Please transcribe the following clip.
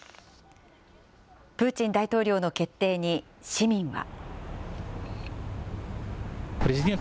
プーチン大統領の決定に市民は。